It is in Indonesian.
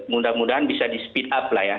mudah mudahan bisa di speed up lah ya